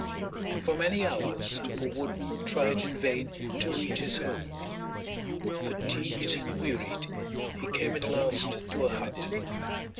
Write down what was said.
For many hours the poor woodman tried in vain to reach his home. Fatigued and wearied, he came at last to a hut.